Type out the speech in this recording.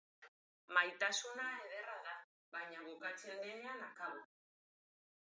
Maitasuna ederra da, baina bukatzen denean, akabo.